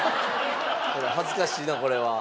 恥ずかしいなこれは。